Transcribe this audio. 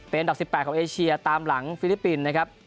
เป็นอันดับ๑๘ของเอเชียตามหลังฟิลิปปินส์นะครับ